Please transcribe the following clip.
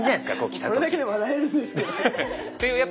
これだけで笑えるんですけど。